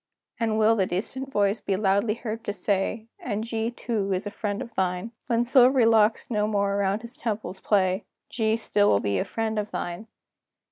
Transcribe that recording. Then will the distant voice be loudly heard to say: "And G , too, is a friend of thine! When silvery locks no more around his temples play, G still will be a friend of thine!"